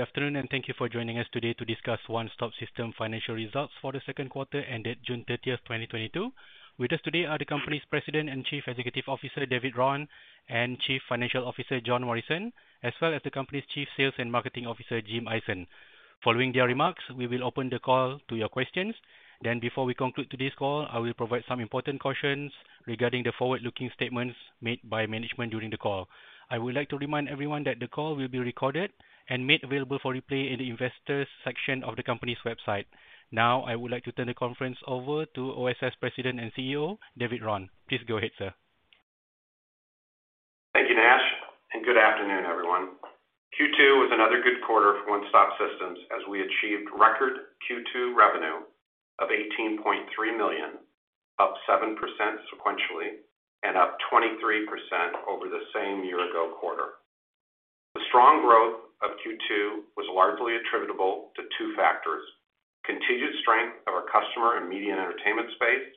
Good afternoon, and thank you for joining us today to discuss One Stop Systems financial results for the second quarter ended June 30th, 2022. With us today are the company's President and Chief Executive Officer, David Raun, and Chief Financial Officer, John Morrison, as well as the company's Chief Sales and Marketing Officer, Jim Ison. Following their remarks, we will open the call to your questions. Then before we conclude today's call, I will provide some important cautions regarding the forward-looking statements made by management during the call. I would like to remind everyone that the call will be recorded and made available for replay in the investors section of the company's website. Now, I would like to turn the conference over to OSS President and CEO, David Raun. Please go ahead, sir. Thank you, Nash, and good afternoon, everyone. Q2 was another good quarter for One Stop Systems as we achieved record Q2 revenue of $18.3 million, up 7% sequentially and up 23% over the same year-ago quarter. The strong growth of Q2 was largely attributable to two factors, continued strength of our custom and media and entertainment space,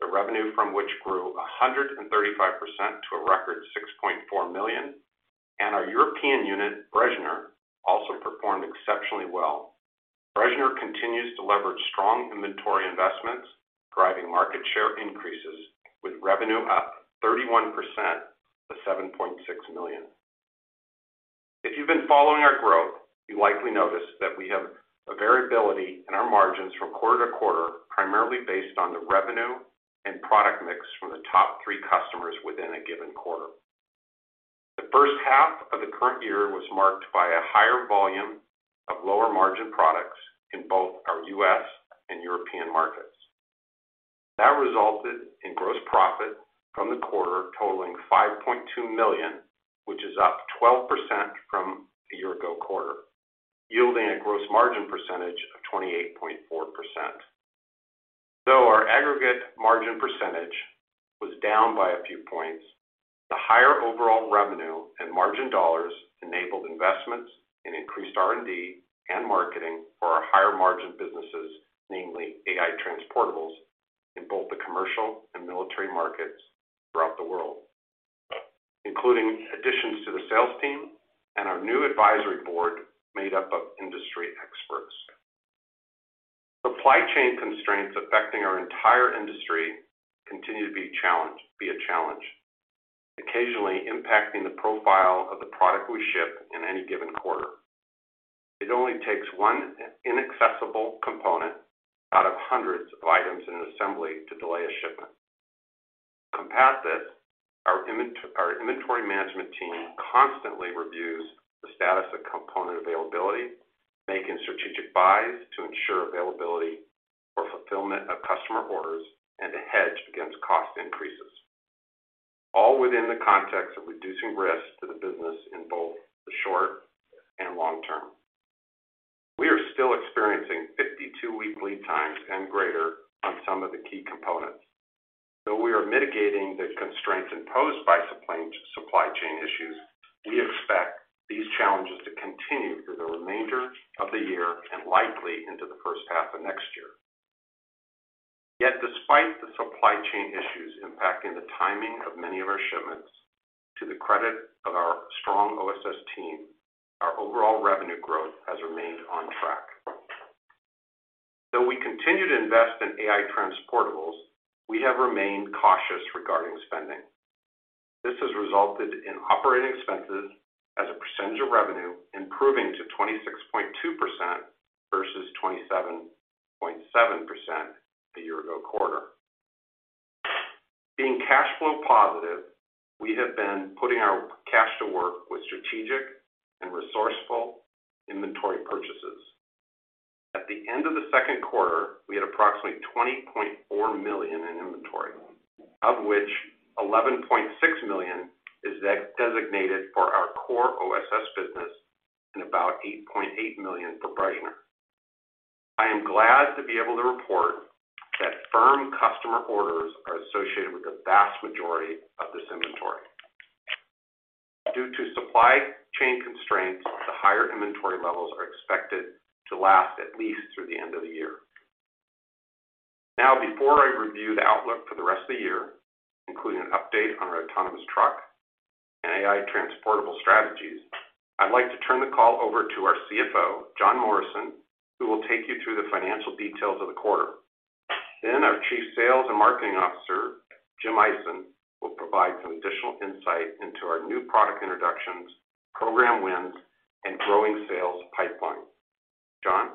the revenue from which grew 135% to a record $6.4 million, and our European unit, Bressner, also performed exceptionally well. Bressner continues to leverage strong inventory investments, driving market share increases with revenue up 31% to $7.6 million. If you've been following our growth, you likely noticed that we have a variability in our margins from quarter to quarter, primarily based on the revenue and product mix from the top three customers within a given quarter. The first half of the current year was marked by a higher volume of lower margin products in both our U.S. and European markets. That resulted in gross profit from the quarter totaling $5.2 million, which is up 12% from the year-ago quarter, yielding a gross margin percentage of 28.4%. Though our aggregate margin percentage was down by a few points, the higher overall revenue and margin dollars enabled investments in increased R&D and marketing for our higher margin businesses, namely AI Transportable in both the commercial and military markets throughout the world, including additions to the sales team and our new advisory board made up of industry experts. Supply chain constraints affecting our entire industry continue to be a challenge, occasionally impacting the profile of the product we ship in any given quarter. It only takes one inaccessible component out of hundreds of items in an assembly to delay a shipment. To combat this, our inventory management team constantly reviews the status of component availability, making strategic buys to ensure availability for fulfillment of customer orders and to hedge against cost increases, all within the context of reducing risks to the business in both the short and long-term. We are still experiencing 52-week lead times and greater on some of the key components. Though we are mitigating the constraints imposed by supply chain issues, we expect these challenges to continue through the remainder of the year and likely into the first half of next year. Yet, despite the supply chain issues impacting the timing of many of our shipments to the credit of our strong OSS team, our overall revenue growth has remained on track. Though we continue to invest in AI transportables, we have remained cautious regarding spending. This has resulted in operating expenses as a percentage of revenue, improving to 26.2% versus 27.7% the year-ago quarter. Being cash flow positive, we have been putting our cash to work with strategic and resourceful inventory purchases. At the end of the second quarter, we had approximately $20.4 million in inventory, of which $11.6 million is designated for our core OSS business and about $8.8 million for Bressner. I am glad to be able to report that firm customer orders are associated with the vast majority of this inventory. Due to supply chain constraints, the higher inventory levels are expected to last at least through the end of the year. Now, before I review the outlook for the rest of the year, including an update on our autonomous truck and AI Transportable strategies, I'd like to turn the call over to our CFO, John Morrison, who will take you through the financial details of the quarter. Our Chief Sales and Marketing Officer, Jim Ison, will provide some additional insight into our new product introductions, program wins, and growing sales pipeline. John.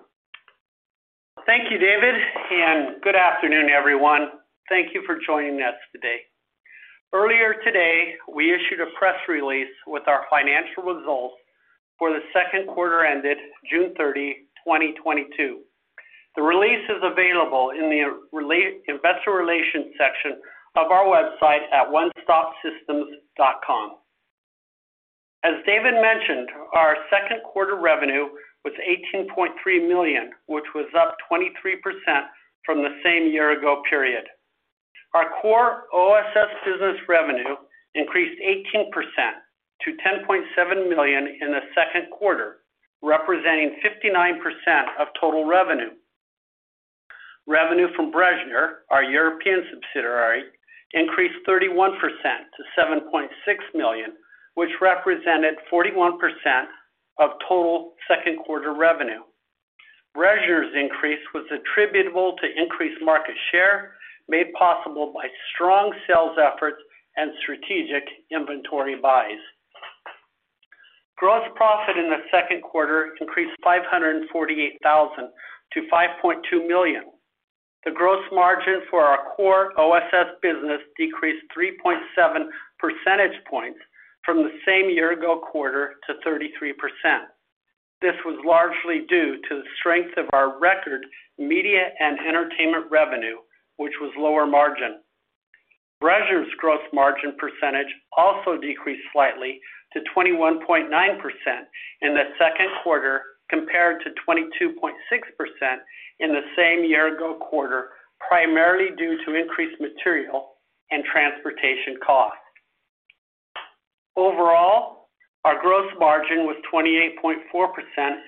Thank you, David, and good afternoon, everyone. Thank you for joining us today. Earlier today, we issued a press release with our financial results for the second quarter ended June 30th, 2022. The release is available in the investor relations section of our website at onestopsystems.com. As David mentioned, our second quarter revenue was $18.3 million, which was up 23% from the same year ago period. Our core OSS business revenue increased 18% to $10.7 million in the second quarter, representing 59% of total revenue. Revenue from Bressner, our European subsidiary, increased 31% to $7.6 million, which represented 41% of total second quarter revenue. Bressner's increase was attributable to increased market share, made possible by strong sales efforts and strategic inventory buys. Gross profit in the second quarter increased $548,000-$5.2 million. The gross margin for our core OSS business decreased 3.7 percentage points from the same year ago quarter to 33%. This was largely due to the strength of our record media and entertainment revenue, which was lower margin. Bressner's gross margin percentage also decreased slightly to 21.9% in the second quarter, compared to 22.6% in the same year ago quarter, primarily due to increased material and transportation costs. Overall, our gross margin was 28.4%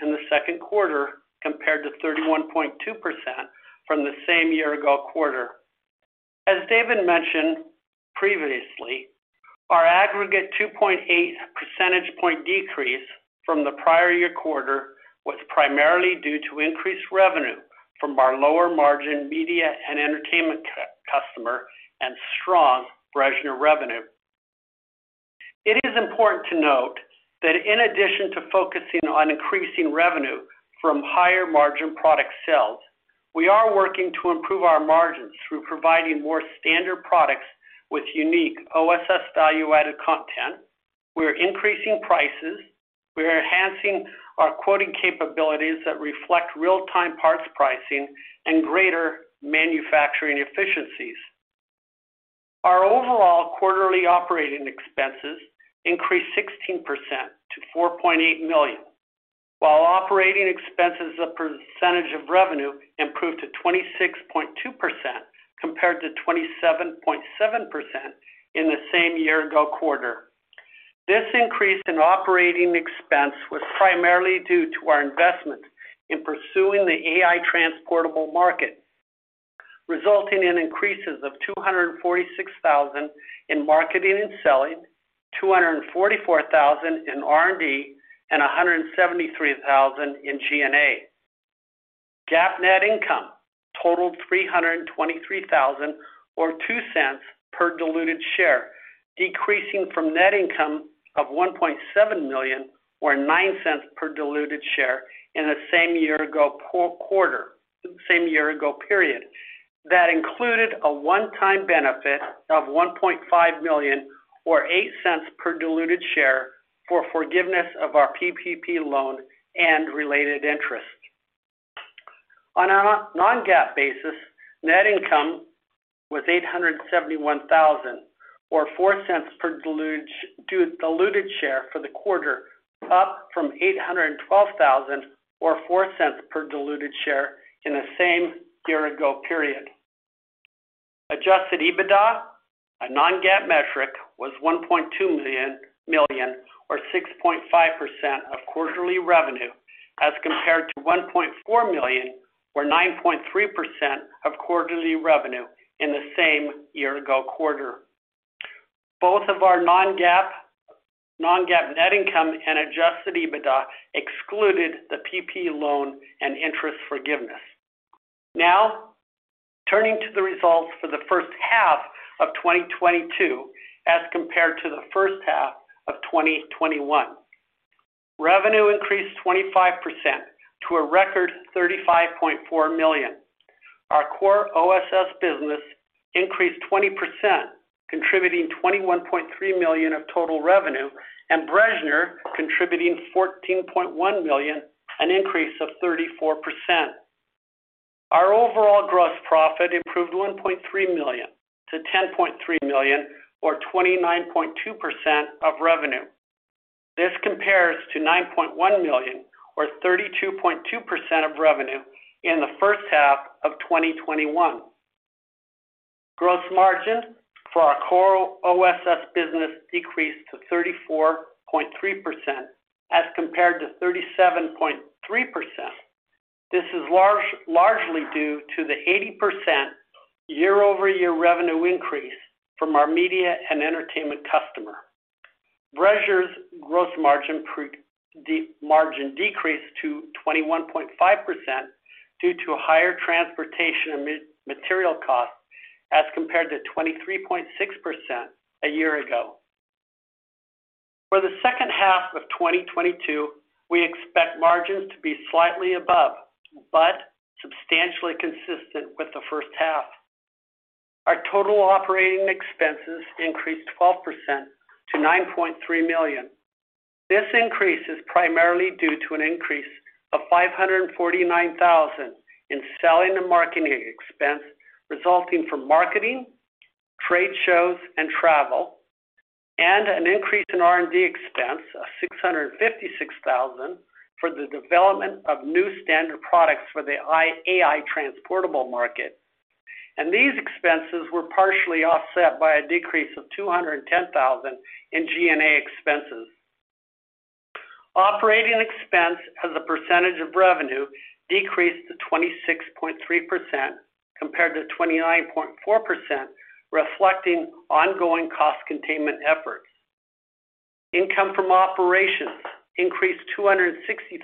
in the second quarter compared to 31.2% from the same year ago quarter. As David mentioned previously, our aggregate 2.8 percentage point decrease from the prior year quarter was primarily due to increased revenue from our lower margin media and entertainment customer and strong Bressner revenue. It is important to note that in addition to focusing on increasing revenue from higher margin product sales, we are working to improve our margins through providing more standard products with unique OSS value-added content. We are increasing prices. We are enhancing our quoting capabilities that reflect real-time parts pricing and greater manufacturing efficiencies. Our overall quarterly operating expenses increased 16% to $4.8 million, while operating expenses as a percentage of revenue improved to 26.2% compared to 27.7% in the same year ago quarter. This increase in operating expense was primarily due to our investment in pursuing the AI Transportable market, resulting in increases of $246 thousand in marketing and selling, $244 thousand in R&D, and $173 thousand in G&A. GAAP net income totaled $323 thousand or $0.02 per diluted share, decreasing from net income of $1.7 million or $0.09 per diluted share in the same year ago period. That included a one-time benefit of $1.5 million or $0.08 per diluted share for forgiveness of our PPP loan and related interest. On a non-GAAP basis, net income was $871 thousand or $0.04 per diluted share for the quarter, up from $812 thousand or $0.04 per diluted share in the same year ago period. Adjusted EBITDA, a non-GAAP metric, was $1.2 million or 6.5% of quarterly revenue as compared to $1.4 million or 9.3% of quarterly revenue in the same year-ago quarter. Both of our non-GAAP net income and Adjusted EBITDA excluded the PPP loan and interest forgiveness. Now, turning to the results for the first half of 2022 as compared to the first half of 2021. Revenue increased 25% to a record $35.4 million. Our core OSS business increased 20%, contributing $21.3 million of total revenue, and Bressner contributing $14.1 million, an increase of 34%. Our overall gross profit improved $1.3 million to $10.3 million or 29.2% of revenue. This compares to $9.1 million or 32.2% of revenue in the first half of 2021. Gross margin for our core OSS business decreased to 34.3% as compared to 37.3%. This is largely due to the 80% year-over-year revenue increase from our media and entertainment customer. Bressner's gross margin decreased to 21.5% due to higher transportation and material costs as compared to 23.6% a year ago. For the second half of 2022, we expect margins to be slightly above, but substantially consistent with the first half. Our total operating expenses increased 12% to $9.3 million. This increase is primarily due to an increase of $549,000 in selling and marketing expense resulting from marketing, trade shows, and travel, and an increase in R&D expense of $656,000 for the development of new standard products for the AI Transportable market. These expenses were partially offset by a decrease of $210,000 in G&A expenses. Operating expense as a percentage of revenue decreased to 26.3% compared to 29.4%, reflecting ongoing cost containment efforts. Income from operations increased $260,000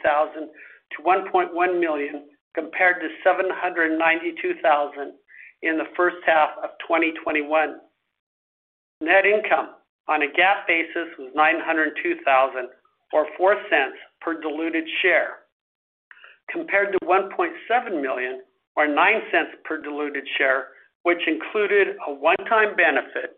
to $1.1 million compared to $792,000 in the first half of 2021. Net income on a GAAP basis was $902,000 or $0.04 per diluted share, compared to $1.7 million or $0.09 per diluted share, which included a one-time benefit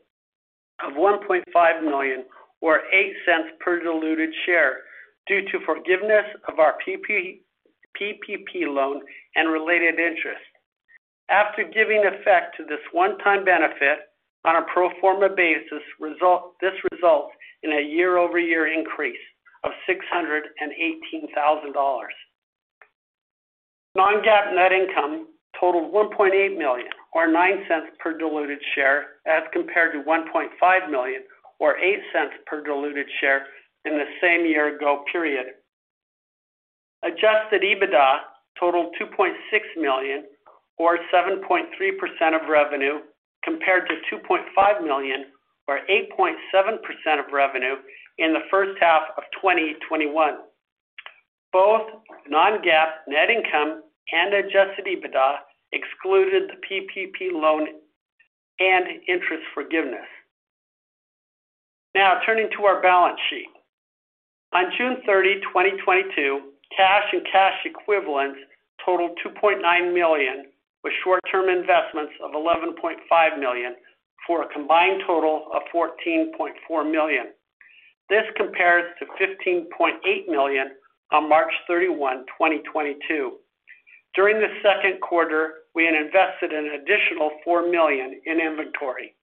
of $1.5 million or $0.08 per diluted share due to forgiveness of our PPP loan and related interest. After giving effect to this one-time benefit on a pro forma basis, this results in a year-over-year increase of $618,000. Non-GAAP net income totaled $1.8 million or $0.09 per diluted share as compared to $1.5 million or $0.08 per diluted share in the same year-ago period. Adjusted EBITDA totaled $2.6 million or 7.3% of revenue compared to $2.5 million or 8.7% of revenue in the first half of 2021. Both non-GAAP net income and Adjusted EBITDA excluded the PPP loan and interest forgiveness. Now turning to our balance sheet. On June 30th, 2022, cash and cash equivalents totaled $2.9 million, with short-term investments of $11.5 million, for a combined total of $14.4 million. This compares to $15.8 million on March 31st, 2022. During the second quarter, we had invested an additional $4 million in inventory.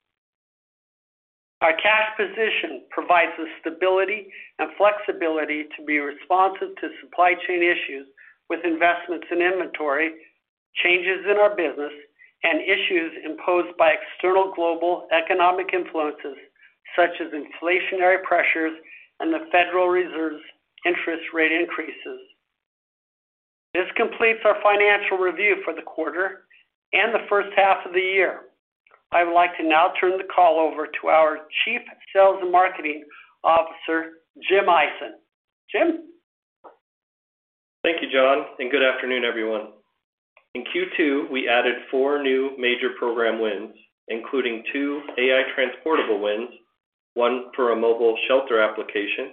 Our cash position provides the stability and flexibility to be responsive to supply chain issues with investments in inventory, changes in our business, and issues imposed by external global economic influences such as inflationary pressures and the Federal Reserve's interest rate increases. This completes our financial review for the quarter and the first half of the year. I would like to now turn the call over to our Chief Sales and Marketing Officer, Jim Ison. Jim. Thank you, John, and good afternoon, everyone. In Q2, we added four new major program wins, including two AI Transportable wins, one for a mobile shelter application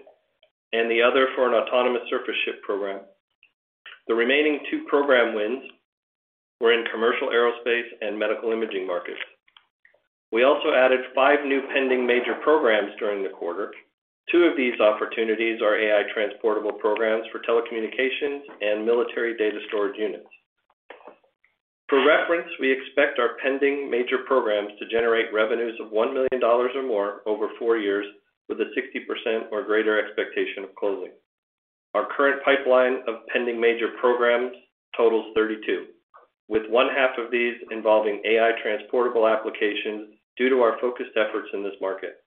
and the other for an autonomous surface ship program. The remaining two program wins were in commercial aerospace and medical imaging markets. We also added 5 new pending major programs during the quarter. Two of these opportunities are AI Transportable programs for telecommunications and military data storage units. For reference, we expect our pending major programs to generate revenues of $1 million or more over four years with a 60% or greater expectation of closing. Our current pipeline of pending major programs totals 32, with one half of these involving AI Transportable applications due to our focused efforts in this market.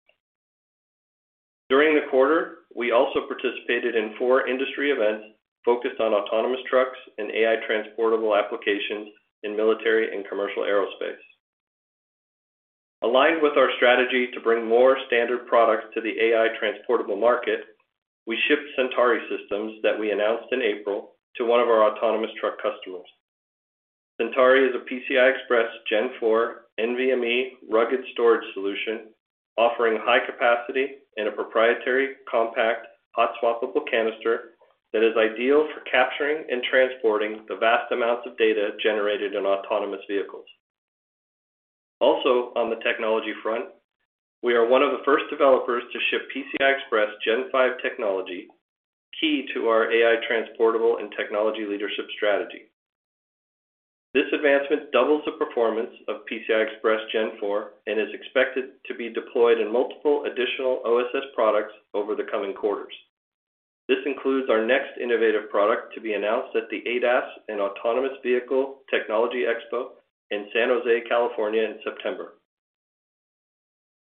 During the quarter, we also participated in four industry events focused on autonomous trucks and AI Transportable applications in military and commercial aerospace. Aligned with our strategy to bring more standard products to the AI Transportable market, we shipped Centauri systems that we announced in April to one of our autonomous truck customers. Centauri is a PCI Express Gen 4 NVMe rugged storage solution offering high capacity in a proprietary, compact, hot-swappable canister that is ideal for capturing and transporting the vast amounts of data generated in autonomous vehicles. Also, on the technology front, we are one of the first developers to ship PCI Express Gen 5 technology, key to our AI Transportable and technology leadership strategy. This advancement doubles the performance of PCI Express Gen 4 and is expected to be deployed in multiple additional OSS products over the coming quarters. This includes our next innovative product to be announced at the ADAS & Autonomous Vehicle Technology Expo in San Jose, California, in September.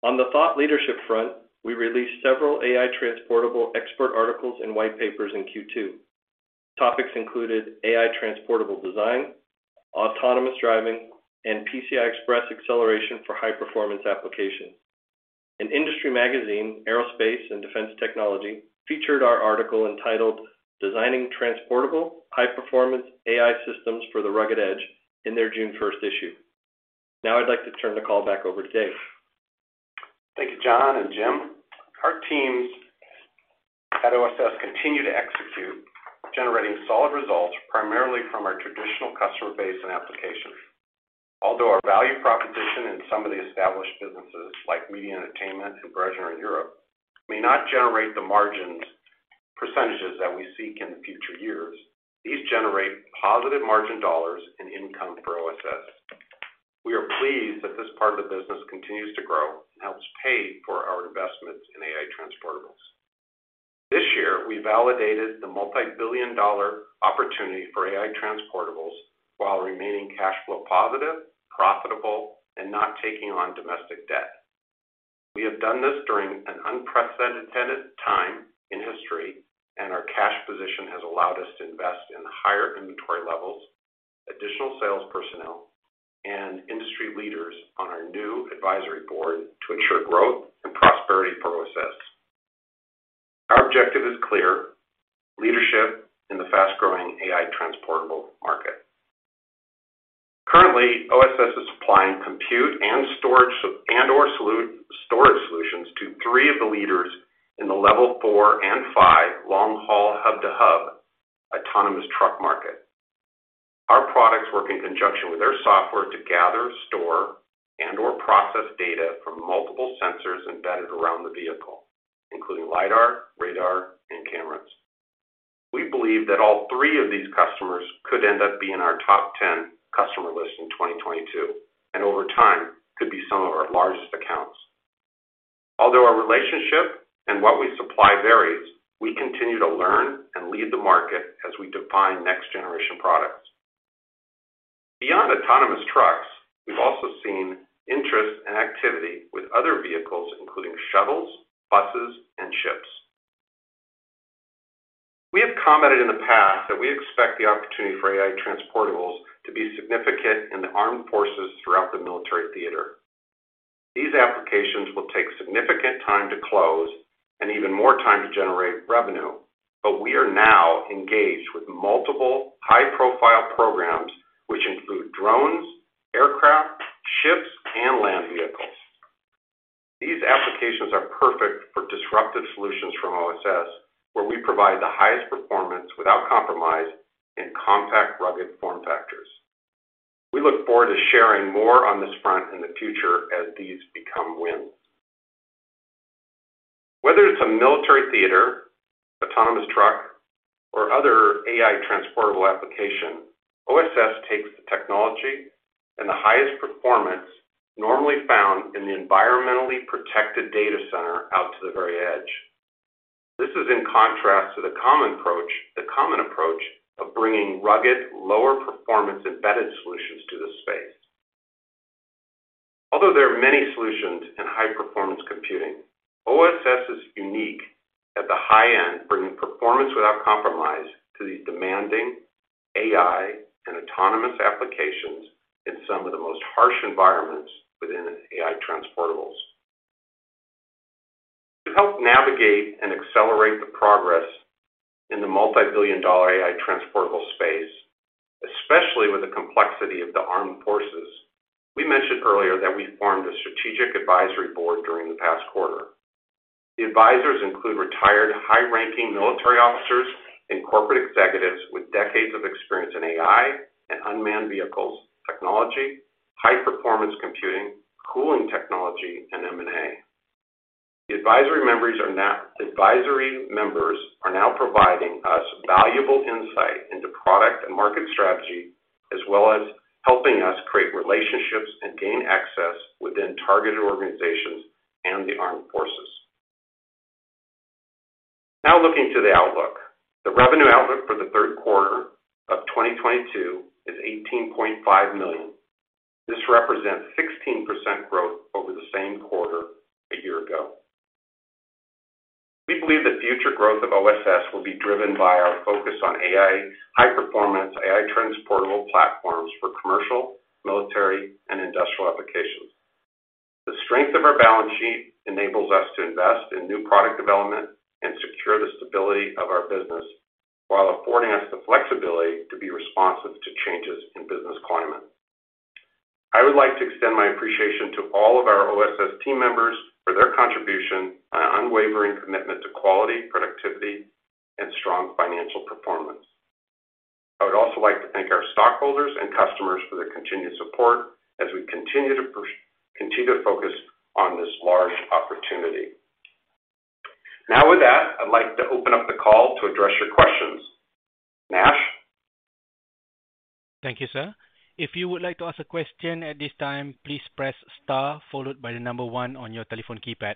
On the thought leadership front, we released several AI transportable expert articles and white papers in Q2. Topics included AI transportable design, autonomous driving, and PCI Express acceleration for high-performance applications. An industry magazine, Aerospace & Defense Technology, featured our article entitled Designing Transportable High-Performance AI Systems for the Rugged Edge in their June first issue. Now, I'd like to turn the call back over to Dave. Thank you, John and Jim. Our teams at OSS continue to execute, generating solid results primarily from our traditional customer base and applications. Although our value proposition in some of the established businesses like media and entertainment and broadcasting in Europe may not generate the margin percentages that we seek in the future years, these generate positive margin dollars and income for OSS. We are pleased that this part of the business continues to grow and helps pay for our investments in AI Transportables. This year, we validated the $ multi-billion-dollar opportunity for AI Transportables while remaining cash flow positive, profitable, and not taking on domestic debt. We have done this during an unprecedented time in history, and our cash position has allowed us to invest in higher inventory levels, additional sales personnel, and industry leaders on our new advisory board to ensure growth and prosperity for OSS. Our objective is clear, leadership in the fast-growing AI Transportable market. Currently, OSS is supplying compute and storage and/or solid-state storage solutions to three of the leaders in the level 4 and 5 long-haul hub-to-hub autonomous truck market. Our products work in conjunction with their software to gather, store, and/or process data from multiple sensors embedded around the vehicle, including lidar, radar, and cameras. We believe that all three of these customers could end up being our top 10 customer list in 2022, and over time could be some of our largest accounts. Although our relationship and what we supply varies, we continue to learn and lead the market as we define next-generation products. Beyond autonomous trucks, we've also seen interest and activity with other vehicles, including shuttles, buses, and ships. We have commented in the past that we expect the opportunity for AI Transportables to be significant in the armed forces throughout the military theater. These applications will take significant time to close and even more time to generate revenue. We are now engaged with multiple high-profile programs which include drones, aircraft, ships, and land vehicles. These applications are perfect for disruptive solutions from OSS, where we provide the highest performance without compromise in compact, rugged form factors. We look forward to sharing more on this front in the future as these become wins. Whether it's a military theater, autonomous truck, or other AI Transportable application, OSS takes the technology and the highest performance normally found in the environmentally protected data center out to the very edge. This is in contrast to the common approach of bringing rugged, lower performance embedded solutions to the space. Although there are many solutions in high-performance computing, OSS is unique at the high end, bringing performance without compromise to these demanding AI and autonomous applications in some of the most harsh environments within AI Transportables. To help navigate and accelerate the progress in the multi-billion-dollar AI Transportable space, especially with the complexity of the armed forces, we mentioned earlier that we formed a strategic advisory board during the past quarter. The advisors include retired high-ranking military officers and corporate executives with decades of experience in AI and unmanned vehicles technology, high-performance computing, cooling technology, and M&A. The advisory members are now providing us valuable insight into product and market strategy, as well as helping us create relationships and gain access within targeted organizations and the armed forces. Now looking to the outlook. The revenue outlook for the third quarter of 2022 is $18.5 million. This represents 16% growth over the same quarter a year ago. We believe the future growth of OSS will be driven by our focus on AI, high performance AI Transportable platforms for commercial, military, and industrial applications. The strength of our balance sheet enables us to invest in new product development and secure the stability of our business while affording us the flexibility to be responsive to changes in business climate. I would like to extend my appreciation to all of our OSS team members for their contribution and unwavering commitment to quality, productivity, and strong financial performance. I would also like to thank our stockholders and customers for their continued support as we continue to focus on this large opportunity. Now, with that, I'd like to open up the call to address your questions. Nash? Thank you, sir. If you would like to ask a question at this time, please press star followed by the number one on your telephone keypad.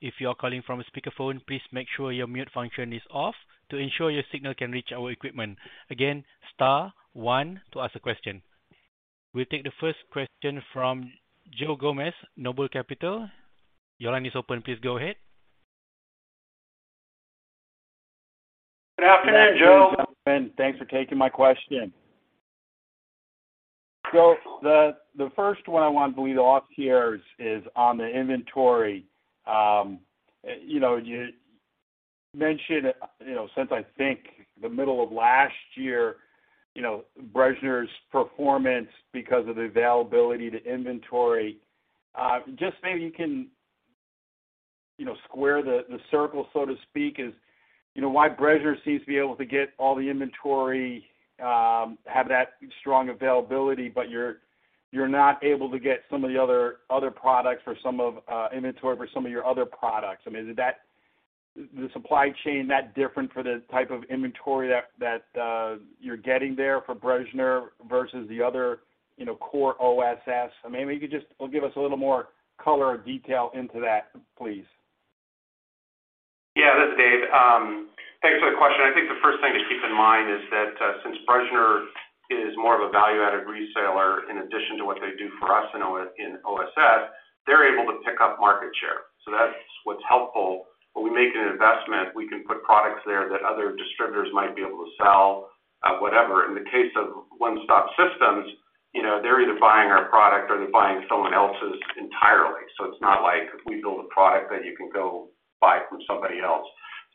If you are calling from a speakerphone, please make sure your mute function is off to ensure your signal can reach our equipment. Again, star one to ask a question. We'll take the first question from Joe Gomes, Noble Capital. Your line is open. Please go ahead. Good afternoon, Joe. Thanks for taking my question. The first one I wanted to lead off here is on the inventory. You know, you mentioned, you know, since I think the middle of last year, you know, Bressner's performance because of the availability of inventory. Just maybe you can, you know, square the circle, so to speak, you know, why Bressner seems to be able to get all the inventory, have that strong availability, but you're not able to get some inventory for some of your other products. I mean, is that the supply chain that different for the type of inventory that you're getting there for Bressner versus the other, you know, core OSS? I mean, maybe you could just give us a little more color or detail into that, please. Yeah, this is Dave. Thanks for the question. I think the first thing to keep in mind is that, since Bressner is more of a value-added reseller in addition to what they do for us in OSS, they're able to pick up market share. That's what's helpful. When we make an investment, we can put products there that other distributors might be able to sell, whatever. In the case of One Stop Systems, you know, they're either buying our product or they're buying someone else's entirely. It's not like we build a product that you can go buy from somebody else.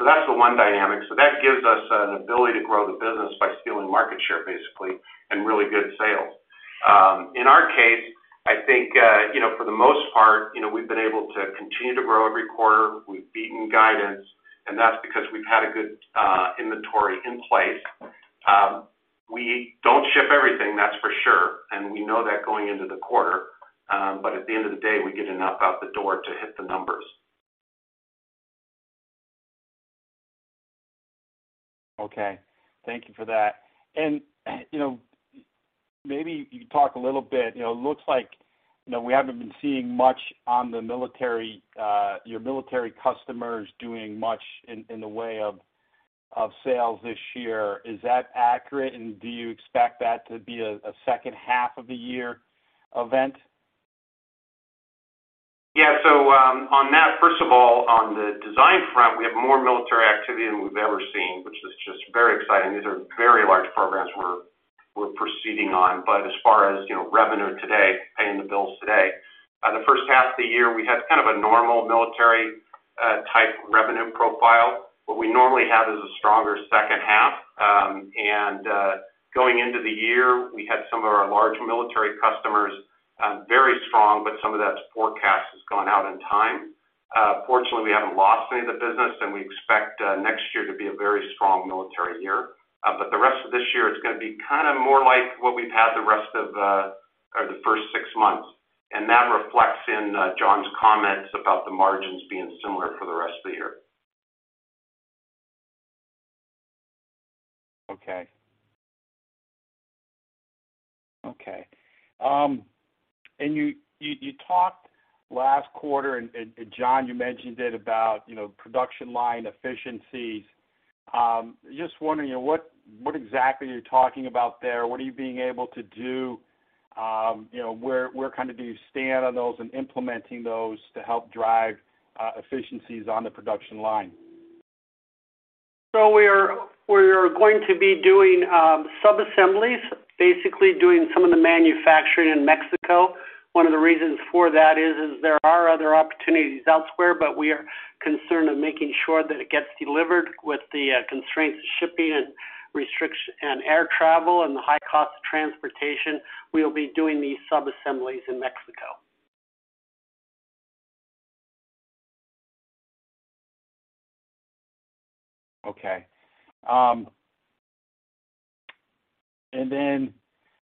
That's the one dynamic. That gives us an ability to grow the business by stealing market share basically, and really good sales. In our case, I think, you know, for the most part, you know, we've been able to continue to grow every quarter. We've beaten guidance, and that's because we've had a good inventory in place. We don't ship everything, that's for sure. We know that going into the quarter. At the end of the day, we get enough out the door to hit the numbers. Okay. Thank you for that. You know, maybe you can talk a little bit, you know, it looks like, you know, we haven't been seeing much on the military, your military customers doing much in the way of sales this year. Is that accurate? Do you expect that to be a second half of the year event? Yeah. On that, first of all, on the design front, we have more military activity than we've ever seen, which is just very exciting. These are very large programs we're proceeding on. As far as, you know, revenue today, paying the bills today, the first half of the year, we had kind of a normal military type revenue profile. What we normally have is a stronger second half. Going into the year, we had some of our large military customers very strong, but some of that forecast has gone out in time. Fortunately, we haven't lost any of the business, and we expect next year to be a very strong military year. The rest of this year, it's gonna be kind of more like what we've had the rest of the. The first six months, and that reflects in John's comments about the margins being similar for the rest of the year. Okay. You talked last quarter and John, you mentioned it about, you know, production line efficiencies. Just wondering what exactly you're talking about there? What are you being able to do? You know, where kind of do you stand on those and implementing those to help drive efficiencies on the production line? We're going to be doing sub-assemblies, basically doing some of the manufacturing in Mexico. One of the reasons for that is there are other opportunities elsewhere, but we are concerned of making sure that it gets delivered with the constraints of shipping and air travel and the high cost of transportation. We'll be doing these sub-assemblies in Mexico. Okay.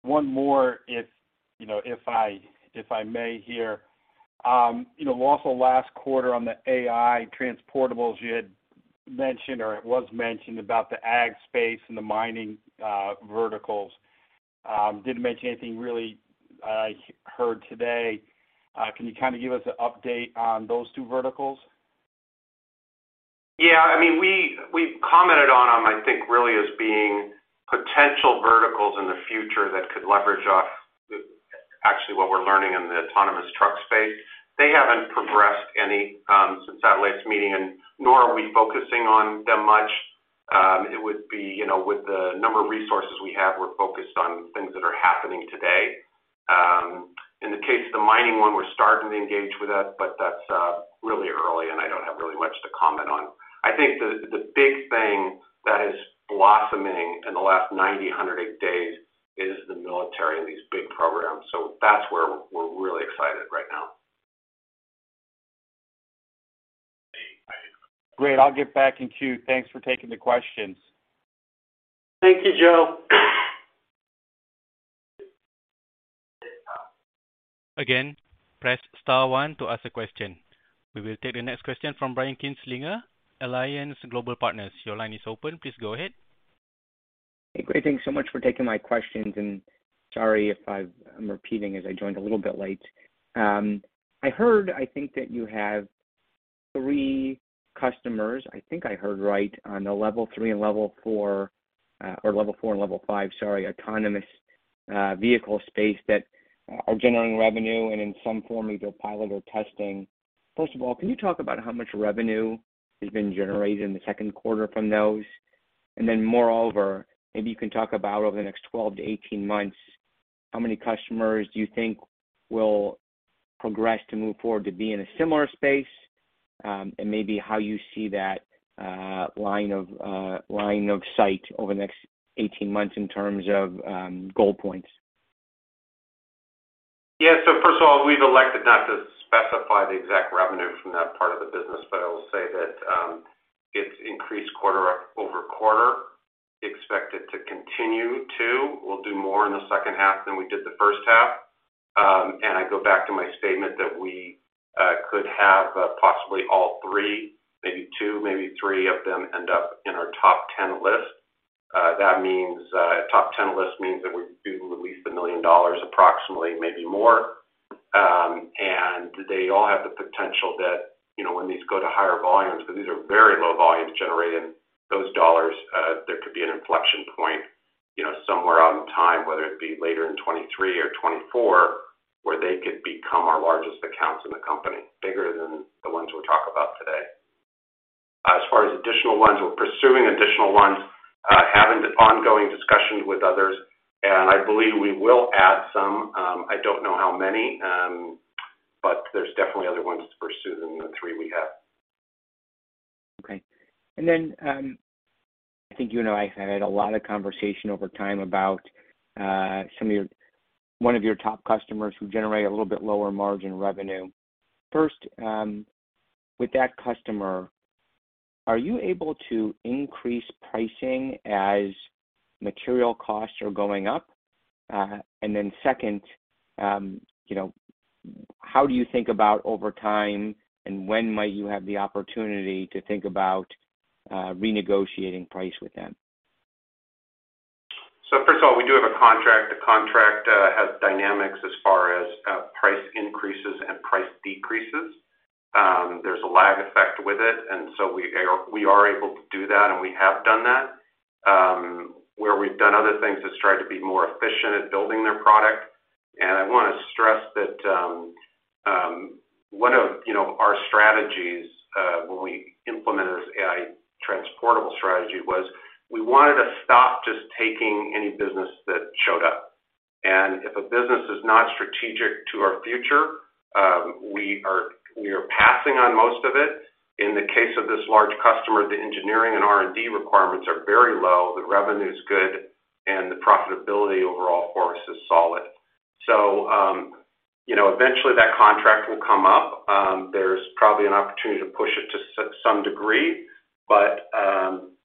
One more, if I may here, you know. You know, also last quarter on the AI Transportables, you had mentioned or it was mentioned about the ag space and the mining verticals. Didn't mention anything really I heard today. Can you kind of give us an update on those two verticals? Yeah. I mean, we've commented on them, I think, really as being potential verticals in the future that could leverage off actually what we're learning in the autonomous truck space. They haven't progressed any since that last meeting, and nor are we focusing on them much. It would be, you know, with the number of resources we have, we're focused on things that are happening today. In the case of the mining one, we're starting to engage with that, but that's really early, and I don't have really much to comment on. I think the big thing that is blossoming in the last 90, 100 and eight days is the military and these big programs. That's where we're really excited right now. Great. I'll get back in queue. Thanks for taking the questions. Thank you, Joe. Again, press star one to ask a question. We will take the next question from Brian Kinstlinger, Alliance Global Partners. Your line is open. Please go ahead. Hey, great. Thanks so much for taking my questions, and sorry if I'm repeating as I joined a little bit late. I heard, I think that you have three customers, I think I heard right, on the level 3 and level 4, or level 4 and level 5, sorry, autonomous vehicle space that are generating revenue and in some form either pilot or testing. First of all, can you talk about how much revenue has been generated in the second quarter from those? And then moreover, maybe you can talk about over the next 12-18 months, how many customers do you think will progress to move forward to be in a similar space, and maybe how you see that, line of sight over the next 18 months in terms of goal points. Yeah. First of all, we've elected not to specify the exact revenue from that part of the business, but I will say that it's increased quarter-over-quarter. Expect it to continue to. We'll do more in the second half than we did the first half. I go back to my statement that we could have possibly all three, maybe two, maybe three of them end up in our top 10 list. That means top ten list means that we do at least $1 million approximately, maybe more. They all have the potential that, you know, when these go to higher volumes, because these are very low volumes generating those dollars, there could be an inflection point, you know, somewhere out in time, whether it be later in 2023 or 2024, where they could become our largest accounts in the company, bigger than the ones we'll talk about today. As far as additional ones, we're pursuing additional ones, having ongoing discussions with others, and I believe we will add some. I don't know how many, but there's definitely other ones pursuing the three we have. I think you know I've had a lot of conversation over time about one of your top customers who generate a little bit lower margin revenue. First, with that customer, are you able to increase pricing as material costs are going up? Second, you know, how do you think about over time and when might you have the opportunity to think about renegotiating price with them? First of all, we do have a contract. The contract has dynamics as far as price increases and price decreases. There's a lag effect with it, and so we are able to do that, and we have done that. Where we've done other things is try to be more efficient at building their product. I wanna stress that one of, you know, our strategies when we implemented this AI Transportable strategy was we wanted to stop just taking any business that showed up. If a business is not strategic to our future, we are passing on most of it. In the case of this large customer, the engineering and R&D requirements are very low, the revenue is good, and the profitability overall for us is solid. You know, eventually that contract will come up. There's probably an opportunity to push it to some degree, but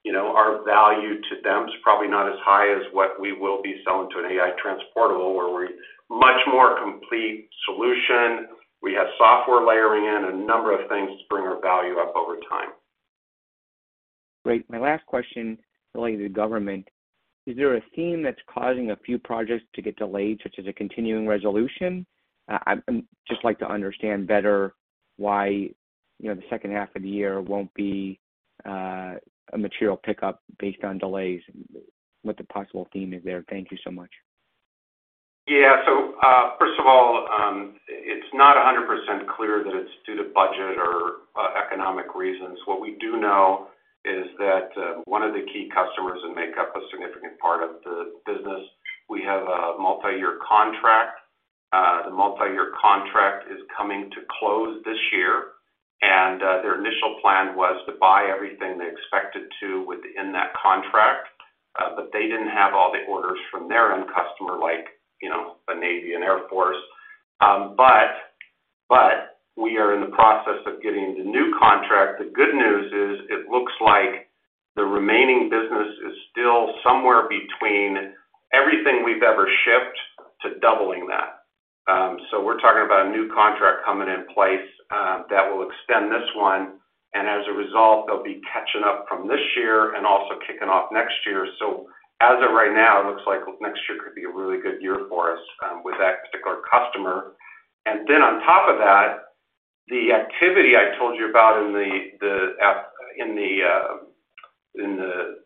you know, our value to them is probably not as high as what we will be selling to an AI Transportable, where we're much more complete solution. We have software layering in, a number of things to bring our value up over time. Great. My last question related to government. Is there a theme that's causing a few projects to get delayed, such as a continuing resolution? I'd just like to understand better why, you know, the second half of the year won't be a material pickup based on delays, what the possible theme is there. Thank you so much. Yeah. First of all, it's not 100% clear that it's due to budget or economic reasons. What we do know is that one of the key customers that make up a significant part of the business, we have a multi-year contract. The multi-year contract is coming to close this year. Their initial plan was to buy everything they expected to within that contract, but they didn't have all the orders from their end customer like, you know, the Navy and Air Force. We are in the process of getting the new contract. The good news is it looks like the remaining business is still somewhere between everything we've ever shipped to doubling that. We're talking about a new contract coming in place that will extend this one, and as a result, they'll be catching up from this year and also kicking off next year. As of right now, it looks like next year could be a really good year for us with that particular customer. On top of that, the activity I told you about in the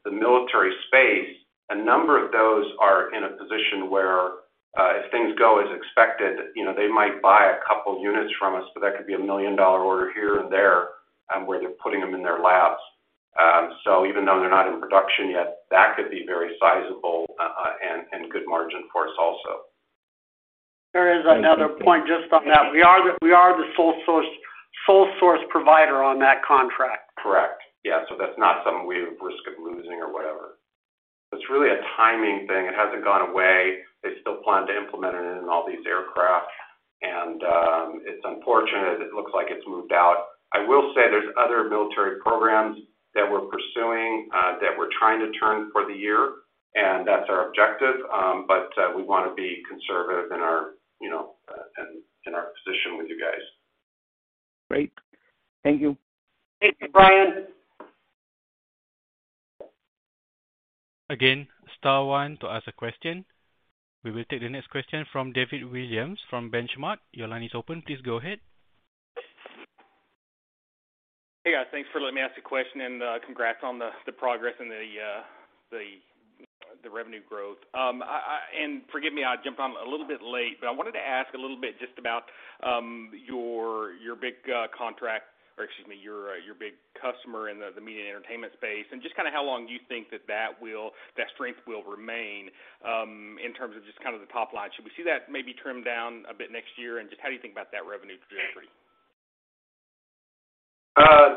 military space, a number of those are in a position where if things go as expected, you know, they might buy a couple units from us, but that could be a million-dollar order here and there where they're putting them in their labs. Even though they're not in production yet, that could be very sizable and good margin for us also. There is another point just on that. We are the sole source provider on that contract. Correct. Yeah. That's not something we have risk of losing or whatever. It's really a timing thing. It hasn't gone away. They still plan to implement it in all these aircraft. It's unfortunate. It looks like it's moved out. I will say there's other military programs that we're pursuing, that we're trying to turn for the year, and that's our objective. We wanna be conservative in our, you know, in our position with you guys. Great. Thank you. Thank you, Brian. Again, star one to ask a question. We will take the next question from David Williams from Benchmark. Your line is open. Please go ahead. Hey, guys. Thanks for letting me ask a question, and congrats on the progress and the revenue growth. Forgive me, I jumped on a little bit late, but I wanted to ask a little bit just about your big contract or excuse me, your big customer in the media entertainment space, and just kinda how long you think that strength will remain in terms of just kind of the top line. Should we see that maybe trimmed down a bit next year? Just how do you think about that revenue trajectory?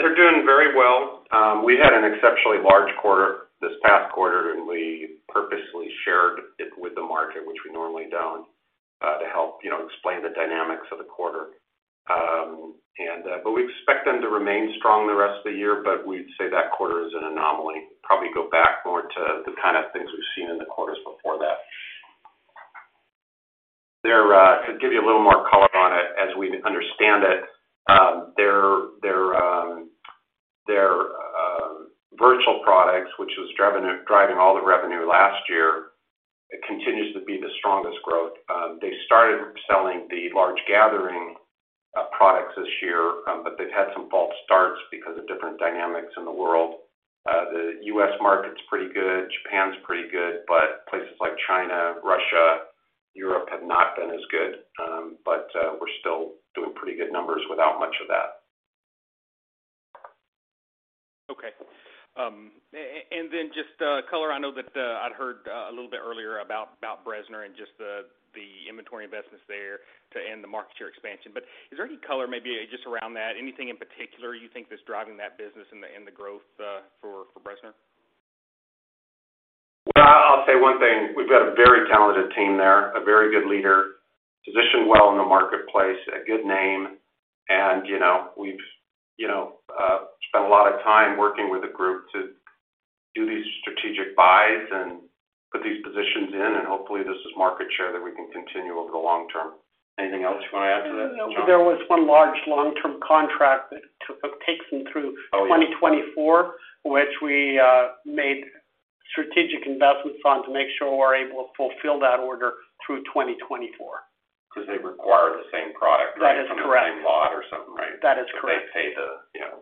They're doing very well. We had an exceptionally large quarter this past quarter, and we purposely shared it with the market, which we normally don't, to help, you know, explain the dynamics of the quarter. We expect them to remain strong the rest of the year, but we'd say that quarter is an anomaly. Probably go back more to the kind of things we've seen in the quarters before that. To give you a little more color on it as we understand it. The A&D was driving all the revenue last year. It continues to be the strongest growth. They started selling the large canister products this year, but they've had some false starts because of different dynamics in the world. The U.S. market's pretty good, Japan's pretty good, but places like China, Russia, Europe have not been as good. We're still doing pretty good numbers without much of that. Okay. Just color. I know that I'd heard a little bit earlier about Bressner and just the inventory investments there to aid the market share expansion. Is there any color maybe just around that? Anything in particular you think that's driving that business and the growth for Bressner? Well, I'll say one thing. We've got a very talented team there, a very good leader, positioned well in the marketplace, a good name, and, you know, we've, you know, spent a lot of time working with the group to do these strategic buys and put these positions in, and hopefully this is market share that we can continue over the long term. Anything else you want to add to that, John? There was one large long-term contract that takes them through. Oh, yeah. 2024, which we made strategic investments on to make sure we're able to fulfill that order through 2024. Because they require the same product. That is correct. From the same lot or something, right? That is correct. If they pay the, you know.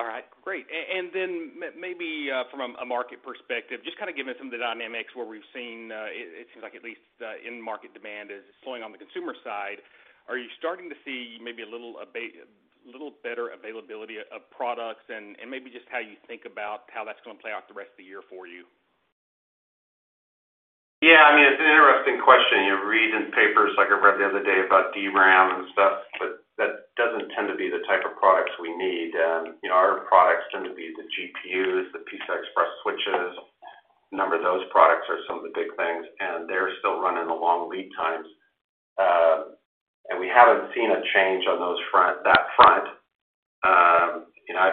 All right. Great. Maybe from a market perspective, just kind of give me some of the dynamics where we've seen it seems like at least in market demand is slowing on the consumer side. Are you starting to see maybe a little better availability of products and maybe just how you think about how that's gonna play out the rest of the year for you? Yeah, I mean, it's an interesting question. You read in papers like I read the other day about DRAM and stuff, but that doesn't tend to be the type of products we need. You know, our products tend to be the GPUs, the PCI Express switches. A number of those products are some of the big things, and they're still running the long lead times. We haven't seen a change on that front. You know,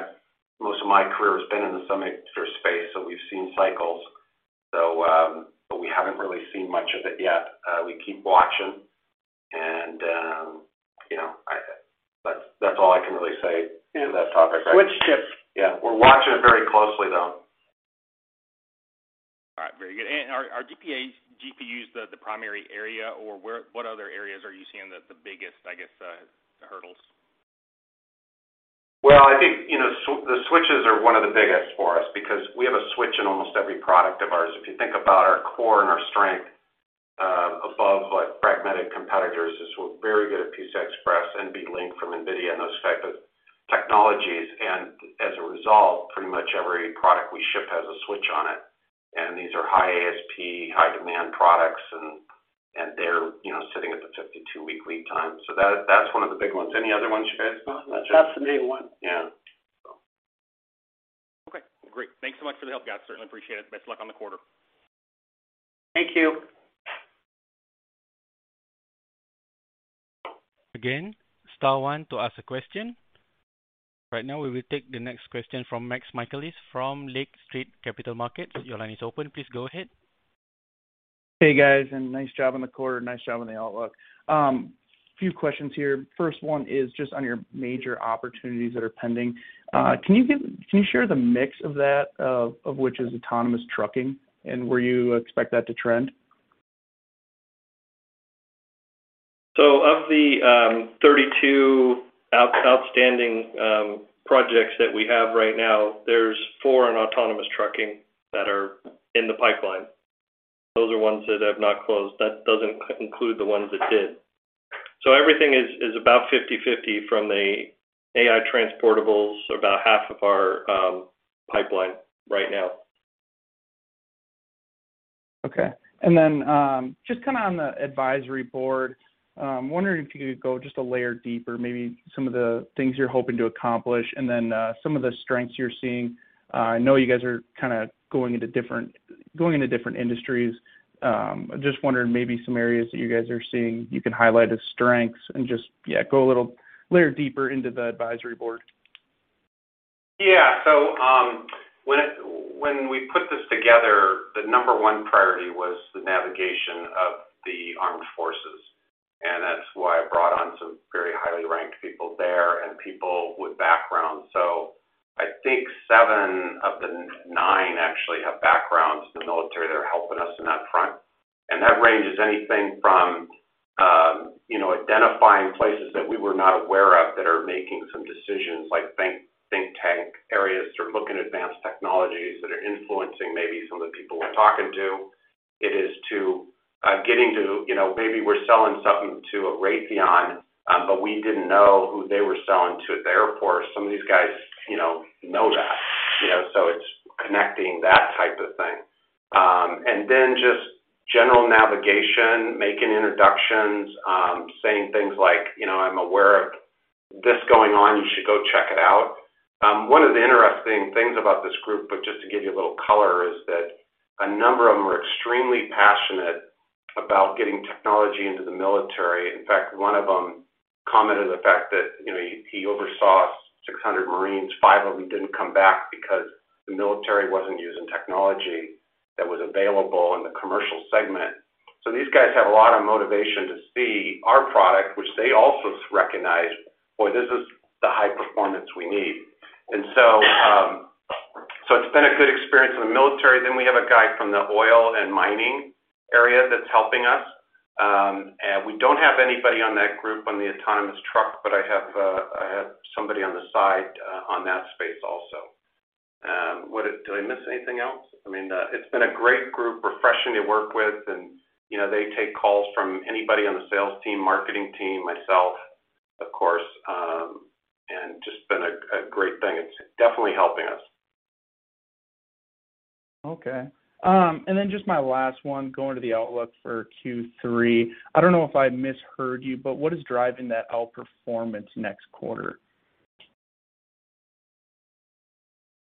most of my career has been in the semiconductor space, so we've seen cycles. We haven't really seen much of it yet. We keep watching and, you know, that's all I can really say to that topic. Switch chips. Yeah. We're watching very closely, though. All right. Very good. Are GPUs the primary area or what other areas are you seeing the biggest, I guess, hurdles? Well, I think, you know, the switches are one of the biggest for us because we have a switch in almost every product of ours. If you think about our core and our strength above what fragmented competitors is we're very good at PCI Express, NVLink from NVIDIA and those type of technologies. As a result, pretty much every product we ship has a switch on it. These are high ASP, high demand products and they're, you know, sitting at the 52-week lead time. That, that's one of the big ones. Any other ones you guys know? That's the main one. Yeah. Okay. Great. Thanks so much for the help, guys. Certainly appreciate it. Best of luck on the quarter. Thank you. Again, star one to ask a question. Right now, we will take the next question from Max Michaelis from Lake Street Capital Markets. Your line is open. Please go ahead. Hey, guys, nice job on the quarter. Nice job on the outlook. A few questions here. First one is just on your major opportunities that are pending. Can you share the mix of that, of which is autonomous trucking and where you expect that to trend? Of the 32 outstanding projects that we have right now, there's 4 in autonomous trucking that are in the pipeline. Those are ones that have not closed. That doesn't include the ones that did. Everything is about 50/50 from the AI Transportables, about half of our pipeline right now. Okay. Just kinda on the advisory board, wondering if you could go just a layer deeper, maybe some of the things you're hoping to accomplish and then some of the strengths you're seeing. I know you guys are kinda going into different industries. Just wondering maybe some areas that you guys are seeing you can highlight as strengths and just, yeah, go a little layer deeper into the advisory board. Yeah. When we put this together, the number one priority was the navigation of the Armed Forces, and that's why I brought on some very highly ranked people there and people with background. I think seven of the nine actually have backgrounds in the military that are helping us in that front. That ranges anything from, you know, identifying places that we were not aware of that are making some decisions, like think tank areas to look in advanced technologies that are influencing maybe some of the people we're talking to. It is to getting to, you know, maybe we're selling something to a Raytheon, but we didn't know who they were selling to at the Air Force. Some of these guys, you know that, you know, so it's connecting that type of thing. Just general navigation, making introductions, saying things like, you know, "I'm aware of this going on, you should go check it out." One of the interesting things about this group, but just to give you a little color, is that a number of them are extremely passionate about getting technology into the military. In fact, one of them commented the fact that, you know, he oversaw 600 Marines, five of them didn't come back because the military wasn't using technology that was available in the commercial segment. So these guys have a lot of motivation to see our product, which they also recognize, boy, this is the high performance we need. It's been a good experience in the military. We have a guy from the oil and mining area that's helping us. We don't have anybody on that group on the autonomous truck, but I have somebody on the side on that space also. What did I miss? Anything else? I mean, it's been a great group, refreshing to work with and, you know, they take calls from anybody on the sales team, marketing team, myself, of course, and just been a great thing. It's definitely helping us. Okay. Just my last one, going to the outlook for Q3. I don't know if I misheard you, but what is driving that outperformance next quarter?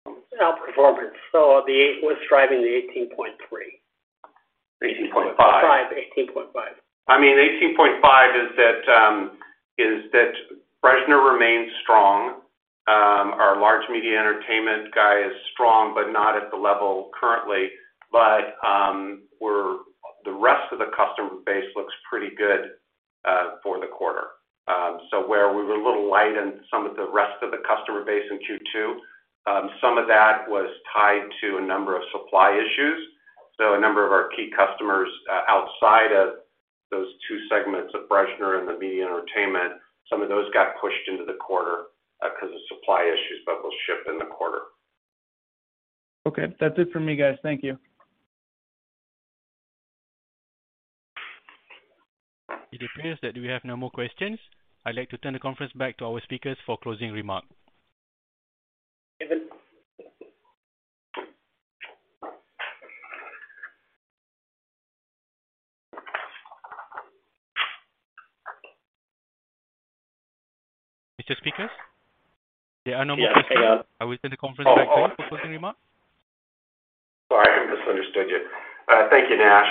Outperformance. The 8 was driving the 18.3. 18.5. 18.5. I mean, $18.5 is that Bressner remains strong. Our large media entertainment guy is strong, but not at the level currently. The rest of the customer base looks pretty good for the quarter. Where we were a little light in some of the rest of the customer base in Q2, some of that was tied to a number of supply issues. A number of our key customers outside of those two segments of Bressner and the media entertainment, some of those got pushed into the quarter 'cause of supply issues, but will ship in the quarter. Okay. That's it for me, guys. Thank you. It appears that we have no more questions. I'd like to turn the conference back to our speakers for closing remarks. Mr. Speakers? There are no more questions. I will turn the conference back to you for closing remarks. Sorry, I misunderstood you. Thank you, Nash.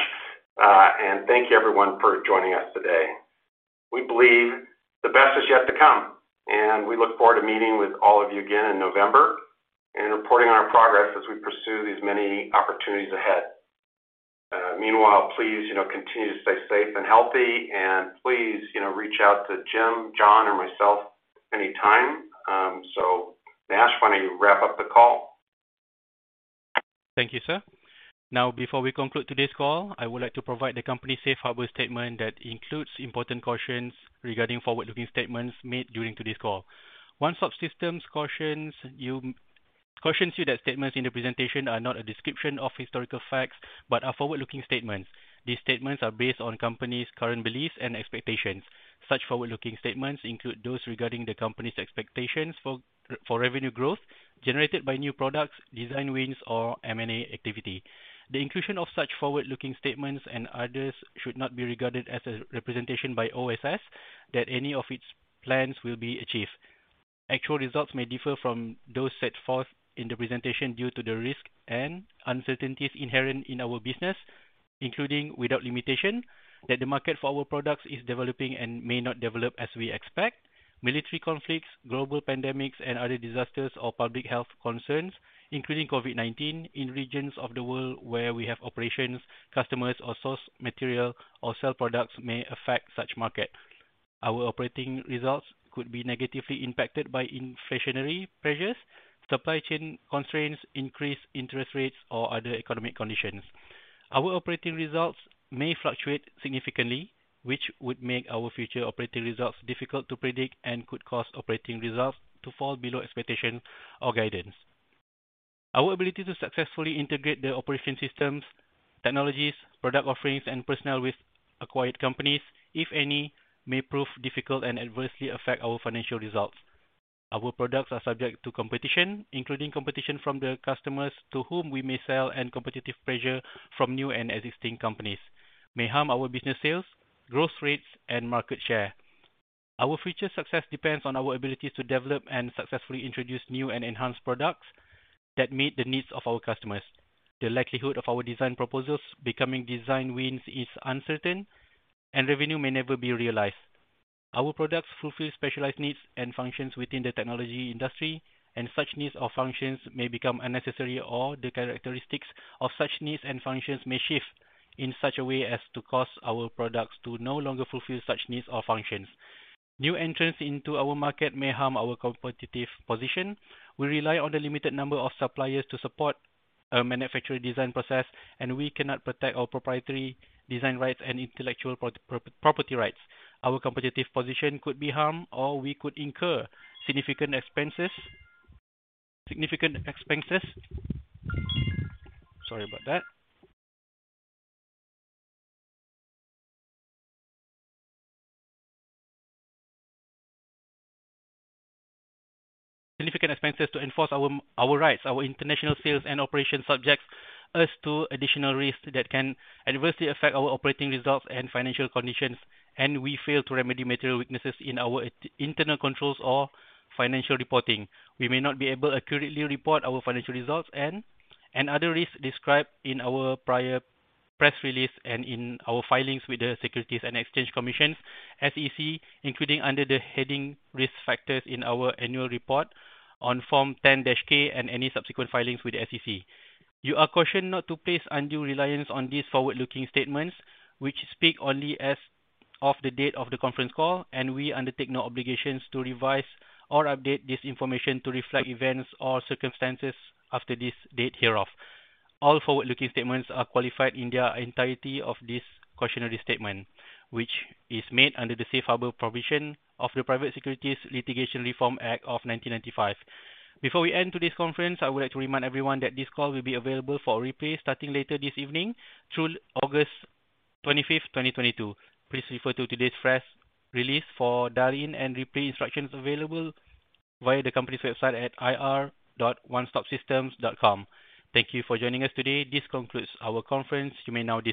Thank you everyone for joining us today. We believe the best is yet to come, and we look forward to meeting with all of you again in November and reporting on our progress as we pursue these many opportunities ahead. Meanwhile, please, you know, continue to stay safe and healthy, and please, you know, reach out to Jim, John, or myself anytime. Nash, why don't you wrap up the call? Thank you, sir. Now, before we conclude today's call, I would like to provide the company's safe harbor statement that includes important cautions regarding forward-looking statements made during today's call. One Stop Systems cautions you that statements in the presentation are not a description of historical facts, but are forward-looking statements. These statements are based on company's current beliefs and expectations. Such forward-looking statements include those regarding the company's expectations for revenue growth generated by new products, design wins, or M&A activity. The inclusion of such forward-looking statements and others should not be regarded as a representation by OSS that any of its plans will be achieved. Actual results may differ from those set forth in the presentation due to the risk and uncertainties inherent in our business, including without limitation, that the market for our products is developing and may not develop as we expect. Military conflicts, global pandemics and other disasters or public health concerns, including COVID-19, in regions of the world where we have operations, customers or sourcing materials or sell products may affect such markets. Our operating results could be negatively impacted by inflationary pressures, supply chain constraints, increased interest rates or other economic conditions. Our operating results may fluctuate significantly, which would make our future operating results difficult to predict and could cause operating results to fall below expectations or guidance. Our ability to successfully integrate the operating systems, technologies, product offerings and personnel with acquired companies, if any, may prove difficult and adversely affect our financial results. Our products are subject to competition, including competition from the customers to whom we may sell and competitive pressure from new and existing companies, may harm our business, sales, growth rates and market share. Our future success depends on our ability to develop and successfully introduce new and enhanced products that meet the needs of our customers. The likelihood of our design proposals becoming design wins is uncertain and revenue may never be realized. Our products fulfill specialized needs and functions within the technology industry, and such needs or functions may become unnecessary or the characteristics of such needs and functions may shift in such a way as to cause our products to no longer fulfill such needs or functions. New entrants into our market may harm our competitive position. We rely on the limited number of suppliers to support a manufacturing design process, and we cannot protect our proprietary design rights and intellectual property rights. Our competitive position could be harmed or we could incur significant expenses to enforce our rights. Our international sales and operations subjects us to additional risks that can adversely affect our operating results and financial conditions, and we fail to remedy material weaknesses in our internal controls or financial reporting. We may not be able to accurately report our financial results and other risks described in our prior press release and in our filings with the Securities and Exchange Commission, SEC, including under the heading Risk Factors in our annual report on Form 10-K and any subsequent filings with the SEC. You are cautioned not to place undue reliance on these forward-looking statements, which speak only as of the date of the conference call, and we undertake no obligations to revise or update this information to reflect events or circumstances after this date hereof. All forward-looking statements are qualified in their entirety by this cautionary statement, which is made under the safe harbor provision of the Private Securities Litigation Reform Act of 1995. Before we end today's conference, I would like to remind everyone that this call will be available for replay starting later this evening through August 25, 2022. Please refer to today's press release for dial-in and replay instructions available via the company's website at ir.onestopsystems.com. Thank you for joining us today. This concludes our conference. You may now disconnect.